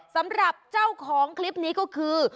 สำหรับเจ้าของคลิปนี้ก็คือ